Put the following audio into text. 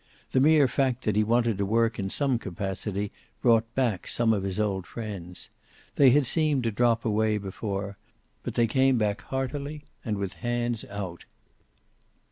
The mere fact that he wanted to work in some capacity brought back some of his old friends. They had seemed to drop away, before, but they came back heartily and with hands out.